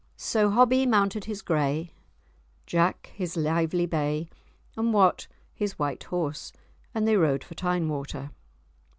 So Hobbie mounted his grey, Jack his lively bay, and Wat his white horse, and they rode for Tyne water.